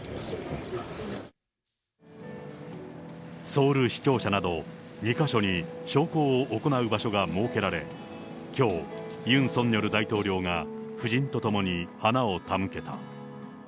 ソウル市庁舎など、２か所に焼香を行う場所が設けられ、きょう、ユン・ソンニョル大統領が夫人と共に花を手向けた。